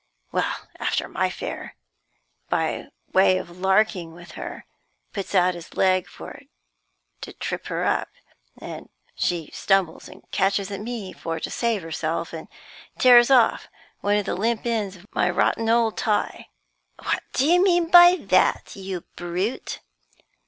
"Well, after, my fare, by way of larking with her, puts out his leg for to trip her up, and she stumbles and catches at me for to save herself, and tears off one of the limp ends of my rotten old tie. 'What do you mean by that, you brute?